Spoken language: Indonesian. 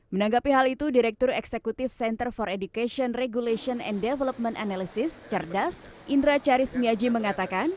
menanggapi hal itu direktur eksekutif center for education regulation and development analysis cerdas indra caris miaji mengatakan